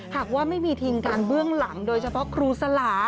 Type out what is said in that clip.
หากว่าไม่มีทิ้งการเบื้องหลังโดยเฉพาะครูสลา